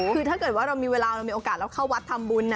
คือถ้าเกิดว่าเรามีเวลาเรามีโอกาสเราเข้าวัดทำบุญนะ